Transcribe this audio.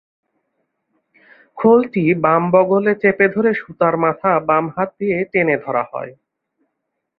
খোলটি বাম বগলে চেপে ধরে সুতার মাথা বাম হাত দিয়ে টেনে ধরা হয়।